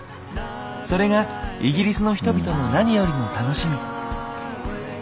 それがイギリスの人々の何よりの楽しみ。